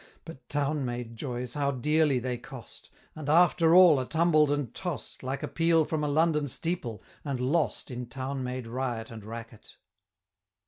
But town made joys how dearly they cost; And after all are tumbled and tost, Like a peal from a London steeple, and lost In town made riot and racket.